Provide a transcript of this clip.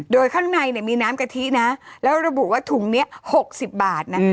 โดยข้างในมีน้ำกะทินะแล้วระบุว่าถุงนี้๖๐บาทนะ